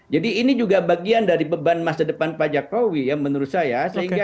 jadi ini juga bagian dari beban masa depan pak jokowi menurut saya